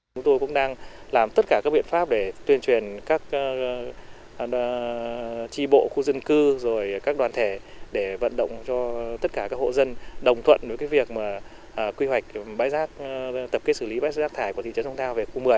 chúng tôi cũng đang làm tất cả các biện pháp để tuyên truyền các tri bộ khu dân cư rồi các đoàn thể để vận động cho tất cả các hộ dân đồng thuận với việc quy hoạch bãi rác tập kết xử lý bãi rác thải của thị trấn sông thao về khu một mươi